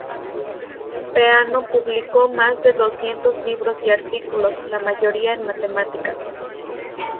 Peano publicó más de doscientos libros y artículos, la mayoría en matemáticas.